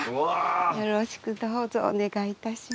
よろしくどうぞお願いいたします。